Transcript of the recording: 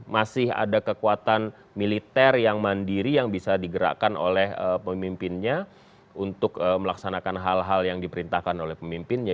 masih ada kekuatan militer yang mandiri yang bisa digerakkan oleh pemimpinnya untuk melaksanakan hal hal yang diperintahkan oleh pemimpinnya